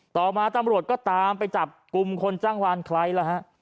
ต่อมาตำรวจก็ตามไปจับกลุ่มคนจ้างวานใครล่ะฮะ